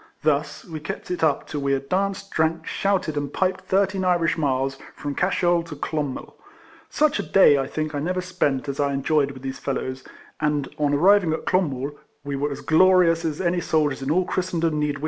Thus we kept it up till we had danced, drank, shouted, and piped thirteen Irish miles, from Cashel to Clonmel. Such a day, I think, I never spent, as I enjoyed with these fellows; and on arriving at Clonmel, we were as glorious as any soldiers in all Christendom need wish to be.